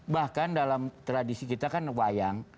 bahkan dalam tradisi kita kan wayang